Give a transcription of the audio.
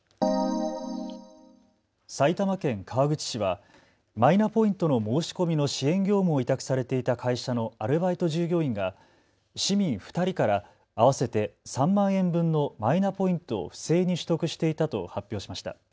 埼玉県川口市はマイナポイントの申し込みの支援業務を委託されていた会社のアルバイト従業員が市民２人から合わせて３万円分のマイナポイントを不正に取得していたと発表しました。